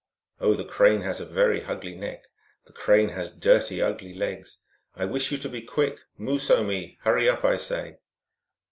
Oh, the Crane has a very ugly neck, The Crane has dirty, ugly legs. I wish you to be quick, mooso me. Hurry up, I say!